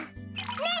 ねえ！